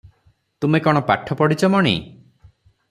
ତୁମେ କଣ ପାଠ ପଢ଼ି ଚ ମଣି?